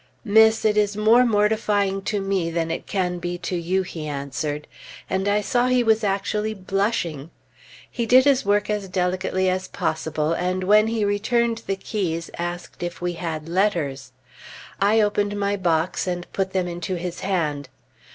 "Miss, it is more mortifying to me than it can be to you," he answered. And I saw he was actually blushing. He did his work as delicately as possible, and when he returned the keys, asked if we had letters. I opened my box and put them into his hand.